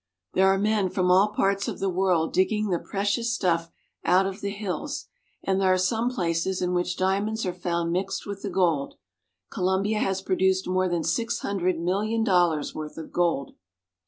There are men from all parts of the world digging the precious stuff out of the hills, and there are some places in which diamonds are found mixed with the gold. Colombia has produced more than six hundred million dollars' worth of gold.